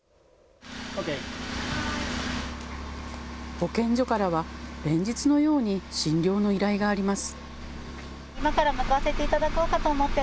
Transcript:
保健所からは連日のように診療の依頼があります。